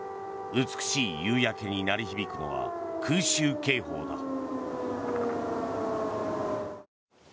美しい夕焼けに鳴り響くのは空襲警報だ。